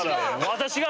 「私が！」。